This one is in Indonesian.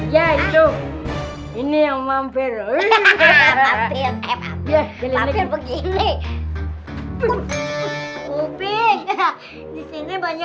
ya itu ini yang mampir begini